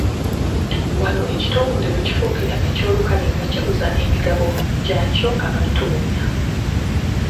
Wano ekitongole we kifuukira eky'olukale nga kiguza emigabo gyakyo abantu bonna.